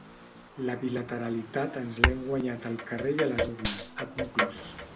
La bilateralitat ens l’hem guanyat al carrer i les urnes, ha conclòs.